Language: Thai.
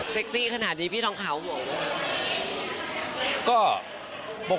เซ็กซี่ขนาดนี้พี่ท้องเขาบอกว่า